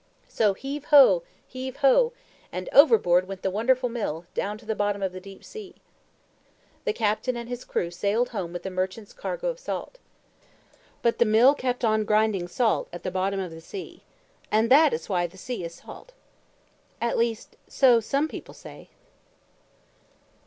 So, heave ho! Heave ho! And overboard went the wonderful Mill, down to the bottom of the deep sea. The captain and his crew sailed home with the merchant's cargo of salt. But the Mill kept on grinding salt at the bottom of the sea. AND THAT IS WHY THE SEA IS SALT. At least, so some people say.